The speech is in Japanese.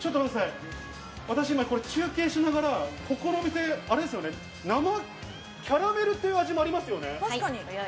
私、今中継しながら、ここのお店、生キャラメルという味もありますよね？